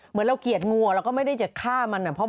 เหมือนเราเกลียดงัวแล้วก็ไม่ได้จะฆ่ามันเนี่ย